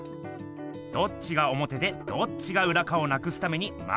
どっちがおもてでどっちがうらかをなくすためにまるくなってるんす。